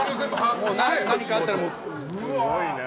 何かあったらもう。